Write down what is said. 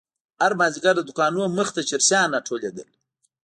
هر مازيگر د دوکانو مخې ته چرسيان راټولېدل.